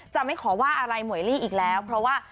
จะไม่ขอว่าอะไรหมวยลี่อีกแล้วเพราะว่า